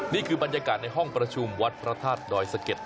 นี่คือบรรยากาศในห้องประชุมวัดพระธาตุดอยสะเก็ด